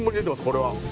これは。